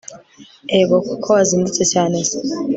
egoko ko wazindutse cyane se